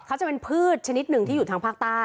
เขาจะเป็นพืชชนิดหนึ่งที่อยู่ทางภาคใต้